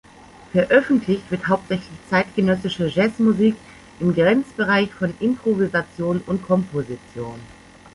Veröffentlicht wird hauptsächlich zeitgenössische Jazzmusik im Grenzbereich von Improvisation und Komposition.